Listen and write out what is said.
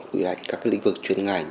quy hoạch các lĩnh vực chuyên ngành